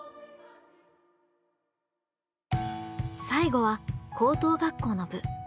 最後は高等学校の部。